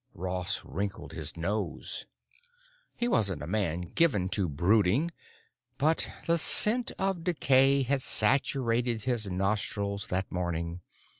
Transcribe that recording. Ross wrinkled his nose. He wasn't a man given to brooding, but the scent of decay had saturated his nostrils that morning.